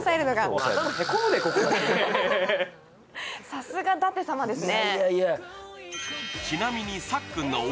さすが舘様ですね。